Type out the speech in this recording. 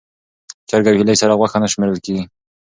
چرګ او هیلۍ سره غوښه نه شمېرل کېږي.